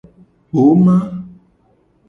Gboma.